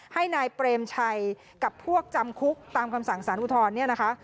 ให้นายเปรมชัยกับพวกจำคุกตามคำสั่งสารอุทธรณ์เนี่ยนะคะ